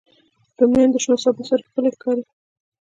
رومیان د شنو سبو سره ښکلي ښکاري